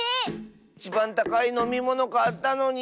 いちばんたかいのみものかったのに。